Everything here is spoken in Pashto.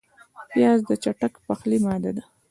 پیاز د چټک پخلي ماده ده